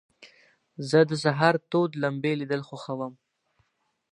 زه د سهار تود لمبې لیدل خوښوم.